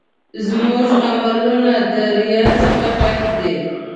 زموږ عملونه د ریا څخه ډک دي.